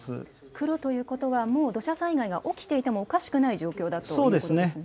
黒ということは、もう土砂災害が起きていてもおかしくない状況だということですね